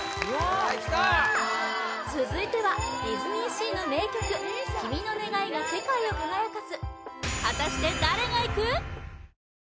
・はいきた続いてはディズニーシーの名曲「君の願いが世界を輝かす」